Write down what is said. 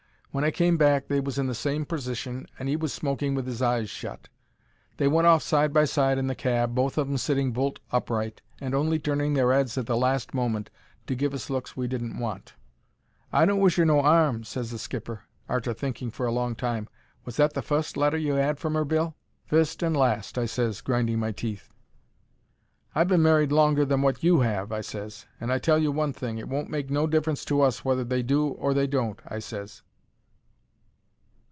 When I came back they was in the same persition, and 'e was smoking with 'is eyes shut. They went off side by side in the cab, both of 'em sitting bolt upright, and only turning their 'eads at the last moment to give us looks we didn't want. "I don't wish her no 'arm," ses the skipper, arter thinking for a long time. "Was that the fust letter you 'ad from 'er, Bill?" "Fust and last," I ses, grinding my teeth. "I've been married longer than wot you have," I ses, "and I tell you one thing. It won't make no difference to us whether they do or they don't," I ses.